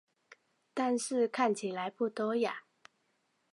但是看起来不多呀